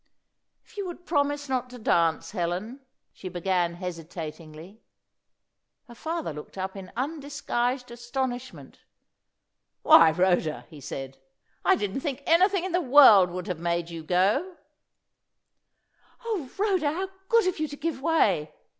"If you would promise not to dance, Helen," she began, hesitatingly. Her father looked up in undisguised astonishment. "Why, Rhoda," he said, "I didn't think anything in the world would have made you go!" "O Rhoda, how good of you to give way!"